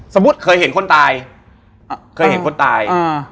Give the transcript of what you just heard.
เคยเห็นคนตายเคยเห็นคนตาย